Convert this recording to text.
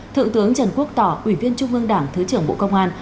thượng tướng trần quốc tỏ ủy viên trung ương đảng thứ trưởng bộ công an